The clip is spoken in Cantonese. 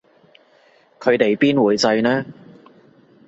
佢哋邊會䎺呢